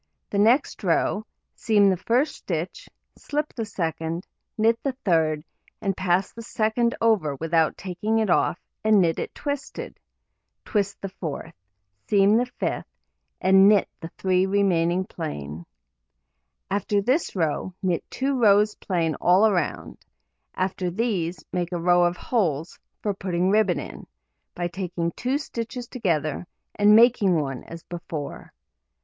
The next row: seam the first stitch, slip the second, knit the third, and pass the second over without taking it off, and knit it twisted; twist the fourth, seam the fifth, and knit the 3 remaining plain. After this row, knit 2 rows plain all round; after these, make a row of holes (for putting ribbon in) by taking 2 stitches together, and making one as before.